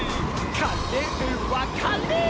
「カレーはかれー」